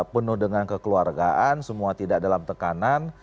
penuh dengan kekeluargaan semua tidak dalam tekanan